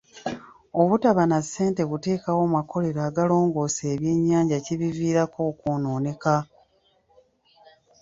Obutaba na ssente kuteekawo makolero agalongoosa ebyennyanja kibiviirako okwonooneka.